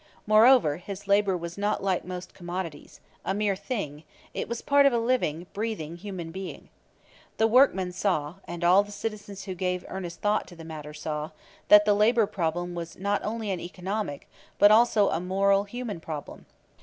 Moreover, his labor was not like most commodities a mere thing; it was part of a living, breathing human being. The workman saw, and all citizens who gave earnest thought to the matter saw, that the labor problem was not only an economic, but also a moral, a human problem.